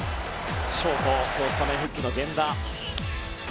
ショートは今日スタメン復帰の源田。